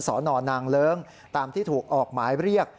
สนนางเลิ้งตามที่ถูกออกหมายเรียก